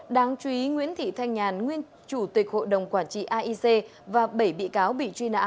đáng chú ý nguyễn thị thanh nhàn nguyên chủ tịch hội đồng quản trị aic và bảy bị cáo bị truy nã